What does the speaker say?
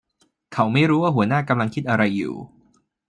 เขาไม่รู้ว่าหัวหน้ากำลังคิดอะไรอยู่